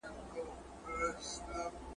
زموږ دفتحي د جشنونو ..